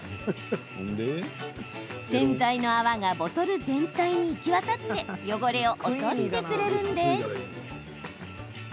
洗剤の泡がボトル全体に行き渡って汚れを落としてくれるんです。